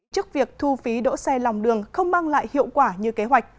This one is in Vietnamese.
trước việc thu phí đỗ xe lòng đường không mang lại hiệu quả như kế hoạch